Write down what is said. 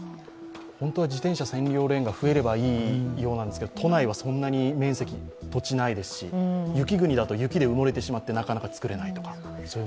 本当は自転車専用レーンが増えればいいようなんですけど都内はそんなに面積、土地がないですし、雪国だと、雪で埋もれてしまって、なかなかつくれないと。